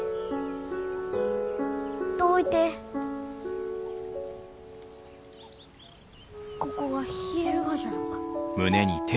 どういてここが冷えるがじゃろうか？